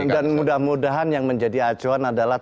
dan mudah mudahan yang menjadi acuan adalah